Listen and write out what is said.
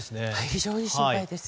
非常に心配です。